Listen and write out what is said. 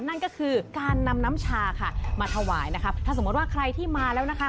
นั่นก็คือการนำน้ำชาค่ะมาถวายนะคะถ้าสมมติว่าใครที่มาแล้วนะคะ